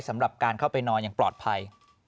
สำหรับการเข้าไปนอนอย่างปลอดภัย